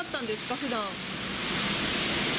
ふだん。